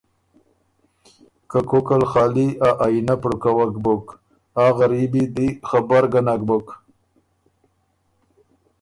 که کوکل خالی ا آئینۀ پړُقَوَک بُک، آ غریبي دی خبر ګۀ نک بُک